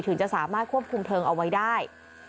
ถึงจะสามารถควบคุมเพลิงเอาไว้ได้